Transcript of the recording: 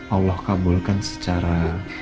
allah kabulkan secara